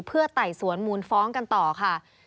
เพื่อไต่สวนมูลฟ้องกันต่อค่ะ